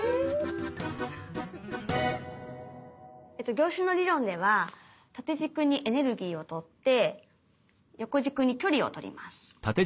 凝集の理論では縦軸にエネルギーを取って横軸に距離を取ります。